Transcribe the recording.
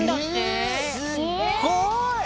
すっごい！